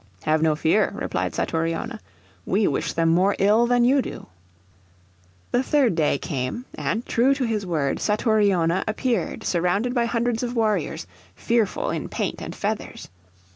"Have no fear," replied Satouriona; "we wish them more ill than you do." The third day came and, true to his word, Satouriona appeared surrounded by hundreds of warriors, fearful in paint and feathers.